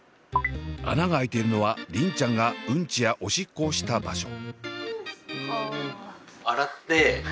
穴が開いているのは梨鈴ちゃんがうんちやおしっこをした場所。